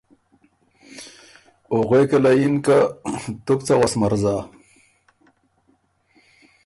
او غوېکه له یِن که ”تُو بو څۀ غوس مرزا“